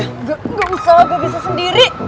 gak usah gue bisa sendiri